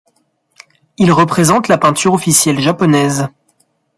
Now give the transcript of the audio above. Il représente la peinture officielle japonaise.